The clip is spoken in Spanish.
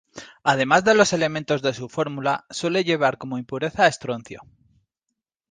Además de los elementos de su fórmula, suele llevar como impureza estroncio.